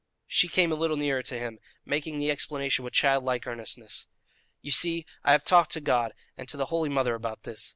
She came a little nearer to him, making the explanation with child like earnestness: "You see, I have talked to God and to the holy Mother about this.